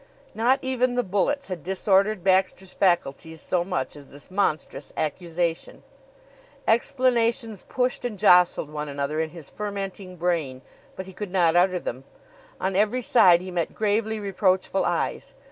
Not even the bullets had disordered Baxter's faculties so much as this monstrous accusation. Explanations pushed and jostled one another in his fermenting brain, but he could not utter them. On every side he met gravely reproachful eyes.